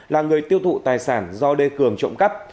là người tiêu thụ tài sản do đê cường trộm cắp